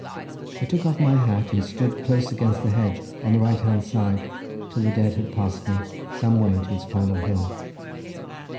I took off my hat, and stood close against the hedge on the right hand side till the dead had passed me some way to its final home.